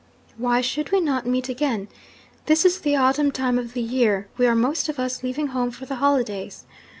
Why should we not meet again? This is the autumn time of the year; we are most of us leaving home for the holidays.